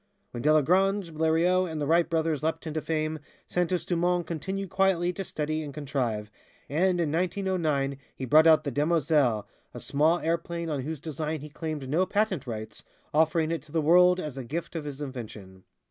When Delagrange, Blériot and the Wright brothers leapt into fame, Santos Dumont continued quietly to study and contrive, and in 1909 he brought out the "Demoiselle," a small airplane on whose design he claimed no patent rights, offering it to the world as a gift of his invention.